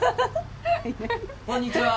こんにちは！